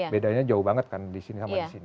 bedanya jauh banget kan di sini sama di sini